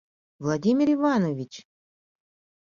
— Владимир Иванович?!